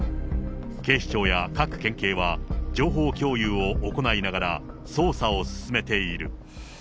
警視庁や各県警は情報共有を行いながら、捜査を進めている。